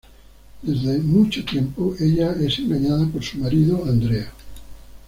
Desde mucho tiempo ella es engañada por su marido, Andrea.